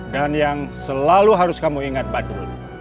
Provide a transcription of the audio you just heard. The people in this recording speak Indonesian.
dan yang selalu kamu ingat bu